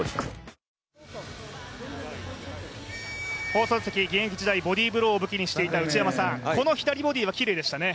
放送席、現役時代ボディブローを武器にしていた内山さん、この左ボディはきれいでしたね。